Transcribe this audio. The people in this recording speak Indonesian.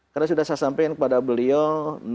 karena sudah saya sampaikan kepada beliau